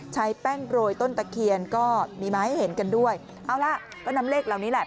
ใช้แป้งโรยต้นตะเคียนก็มีมาให้เห็นกันด้วยเอาล่ะก็นำเลขเหล่านี้แหละ